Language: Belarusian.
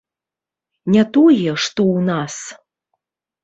Не тое, што ў нас!